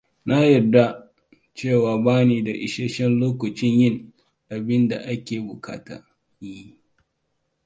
Na yadda cewa bani da isashen lokacin yin abin da ake buƙata in yi.